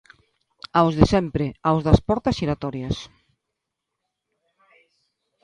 Aos de sempre, aos das portas xiratorias.